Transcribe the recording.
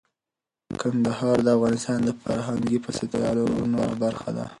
کندهار د افغانستان د فرهنګي فستیوالونو برخه ده.